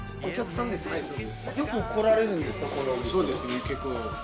そうですね結構。